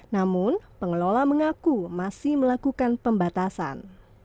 namun pengelola mengaku masih melakukan pembatasan